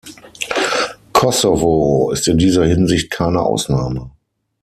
Kosovo ist in dieser Hinsicht keine Ausnahme.